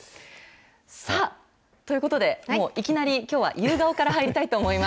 さあ、ということで、もういきなり、きょうは夕顔から入りたいと思います。